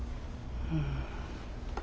うん。